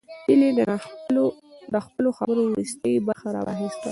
هيلې د خپلو خبرو وروستۍ برخه راواخيسته